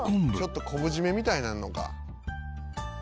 「ちょっと昆布締めみたいになるのか？」